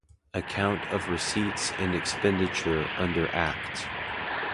Account of receipts and expenditure under Act.